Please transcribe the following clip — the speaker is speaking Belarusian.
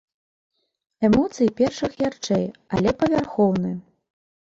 Эмоцыі першых ярчэй, але павярхоўны.